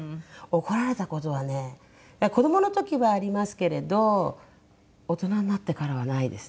怒られた事はね子どもの時はありますけれど大人になってからはないですね。